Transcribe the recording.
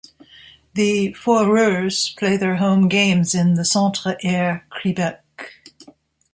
The Foreurs play their home games in the Centre Air Creebec.